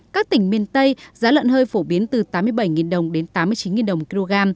các tỉnh miền tây giá lợn hơi phổ biến từ tám mươi bảy đồng đến tám mươi chín đồng một kg